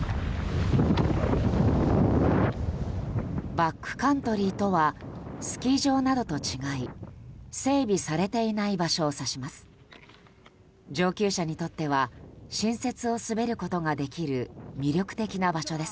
バックカントリーとはスキー場などと違い整備されていない場所を指します。